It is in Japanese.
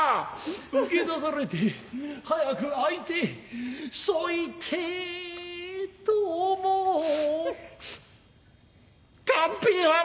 受け出されて早く会いてえ添いてえと思う勘平はな。